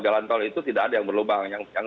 jalan tol itu tidak ada yang berlubang yang